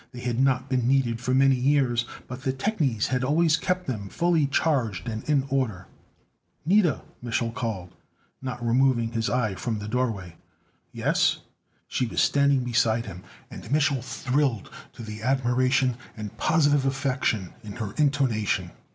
They had not been needed for many years, but the technies had always kept them fully charged and in order. "Nida!" Mich'l called, not removing his eye from the doorway. "Yes?" She was standing beside him, and Mich'l thrilled to the admiration and positive affection in her intonation.